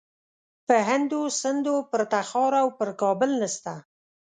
په هند و سند و پر تخار او پر کابل نسته.